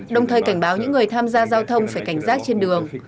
đồng thời cảnh báo những người tham gia giao thông phải cảnh giác trên đường